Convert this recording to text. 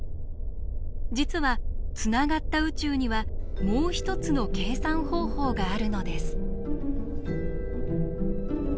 実はつながった宇宙にはもう一つの計算方法があるのです。